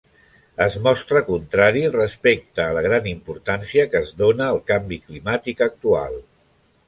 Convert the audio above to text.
Es mostra contrari respecte a la gran importància que es dóna al canvi climàtic actual.